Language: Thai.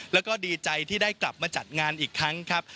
แล้วก็ดีใจที่ได้กลับมาจัดงานอีกครั้งครับ